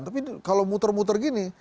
tapi kalau muter muter gini